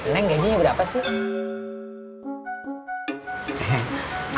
leng gajinya berapa sih